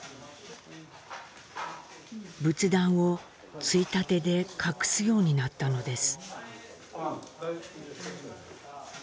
仏壇をついたてで隠すようになったのです。